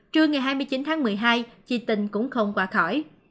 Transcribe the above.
trưa ngày hai mươi chín tháng một mươi hai chị tình cũng không qua khỏi